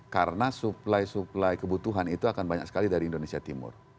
karena suplai suplai kebutuhan itu akan banyak sekali dari indonesia timur